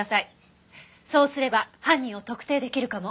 そうすれば犯人を特定できるかも。